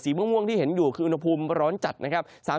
ม่วงที่เห็นอยู่คืออุณหภูมิร้อนจัดนะครับ